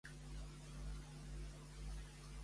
Morawiecki és el primer ministre polonès?